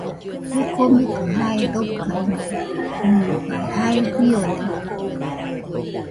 Kue komekɨ jae dokaiñede, nɨbai jae fiodaitɨkue.